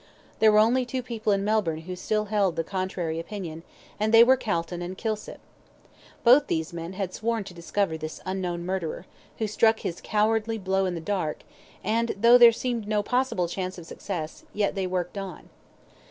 There were only two people in Melbourne who still held the contrary opinion, and they were Calton and Kilsip. Both these men had sworn to discover this unknown murderer, who struck his cowardly blow in the dark, and though there seemed no possible chance of success, yet they worked on.